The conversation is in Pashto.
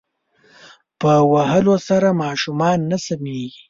په وهلو سره ماشومان نه سمیږی